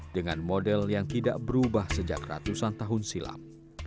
dengan model yang tidak berubah sejak ratusan tahun silam